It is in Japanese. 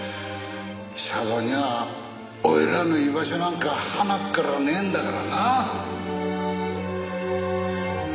娑婆には俺らの居場所なんかはなっからねえんだからなあ！